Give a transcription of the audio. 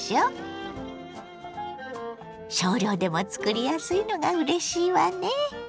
少量でもつくりやすいのがうれしいわね。